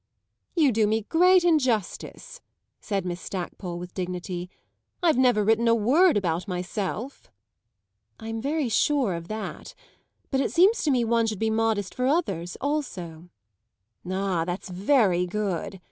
"You do me great injustice," said Miss Stackpole with dignity. "I've never written a word about myself!" "I'm very sure of that; but it seems to me one should be modest for others also!" "Ah, that's very good!"